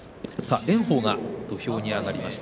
炎鵬が土俵に上がりました。